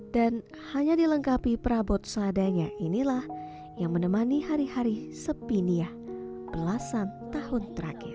hanya dilengkapi perabot seadanya inilah yang menemani hari hari sepinia belasan tahun terakhir